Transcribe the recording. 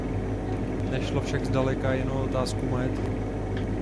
Nešlo však zdaleka jen o otázku majetku.